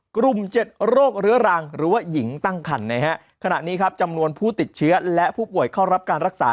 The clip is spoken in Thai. กลุ่ม๗โรคเรื้อรังหรือว่าหญิงตั้งคันนะฮะขณะนี้ครับจำนวนผู้ติดเชื้อและผู้ป่วยเข้ารับการรักษา